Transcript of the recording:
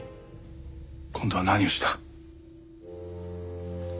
今度は何をした？